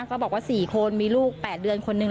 ก็บอกว่า๔คนมีลูก๘เดือนคนนึง